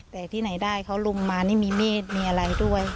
แต่ที่ไหนได้เขาลุมมานี่มีมีดมีอะไรด้วย